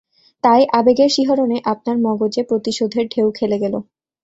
তাই, আবেগের শিহরণে আপনার মগজে প্রতিশোধের ঢেউ খেলে গেল!